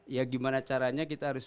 ya gimana caranya kita harus